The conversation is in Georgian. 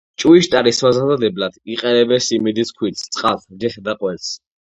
ჭვიშტარის მოსამზადებლად იყენებენ სიმინდის ფქვილს, წყალს, რძესა და ყველს.